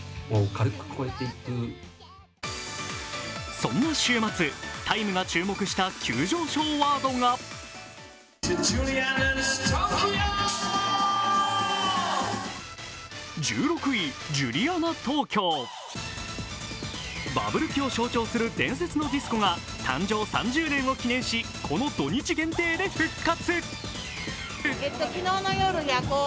そんな週末、「ＴＩＭＥ’」が注目した急上昇ワードがバブル期を象徴する伝説のディスコが誕生３０年を記念し土日限定で復活。